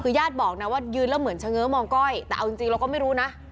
คือญาติบอกนะว่ายืนแล้วเหมือนเฉง้อมองก้อยแต่เอาจริงเราก็ไม่รู้นะ